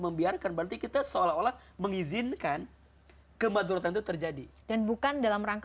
membiarkan berarti kita seolah olah mengizinkan kemadrotan itu terjadi dan bukan dalam rangka